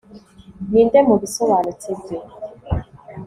Ninde mubisobanutse bye